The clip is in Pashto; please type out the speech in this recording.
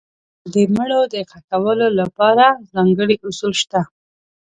د مړو د ښخولو لپاره ځانګړي اصول شته.